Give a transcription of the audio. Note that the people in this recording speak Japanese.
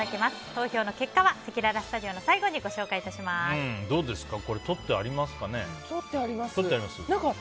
投票の結果はせきららスタジオの最後にどうですか？